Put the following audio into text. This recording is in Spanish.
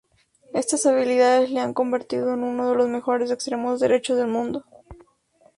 Estas habilidades le han convertido en uno de los mejores extremos derechos del mundo.